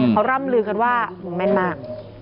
เขาร่ำลือกันว่ามึงแม่นมาก